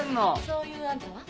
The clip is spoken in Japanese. そういうあんたは？